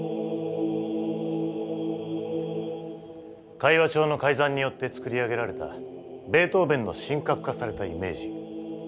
会話帳の改ざんによって作り上げられたベートーヴェンの神格化されたイメージ。